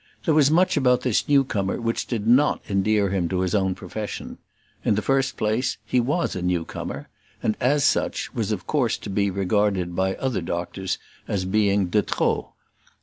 There was much about this new comer which did not endear him to his own profession. In the first place he was a new comer, and, as such, was of course to be regarded by other doctors as being de trop.